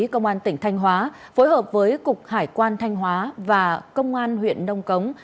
công an tỉnh thanh hóa phối hợp với cục hải quan thanh hóa và công an huyện nông cống